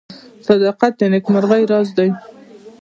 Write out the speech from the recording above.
• صداقت د نیکمرغۍ راز دی.